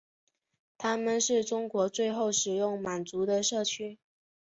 他们是中国最后使用满语的社区。